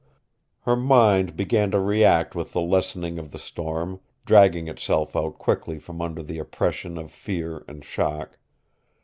Her mind began to react with the lessening of the storm, dragging itself out quickly from under the oppression of fear and shock.